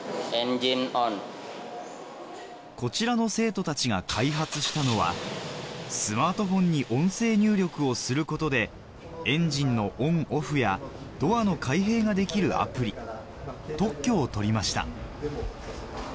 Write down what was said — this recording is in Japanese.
こちらの生徒たちが開発したのはスマートフォンに音声入力をすることでエンジンのオンオフやドアの開閉ができるアプリ特許を取りました